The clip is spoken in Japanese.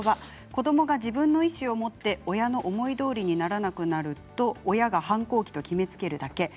子どもが自分の意思を持って親の思いどおりにならなくなると親が反抗期と決めつけるだけ。